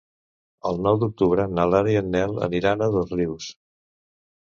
El nou d'octubre na Lara i en Nel aniran a Dosrius.